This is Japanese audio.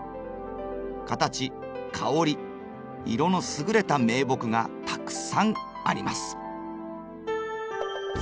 形香り色の優れた名木がたくさんあります。